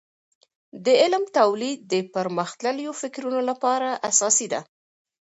د علم تولید د پرمختللیو فکرونو لپاره اساسي ده.